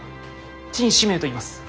陳志明といいます。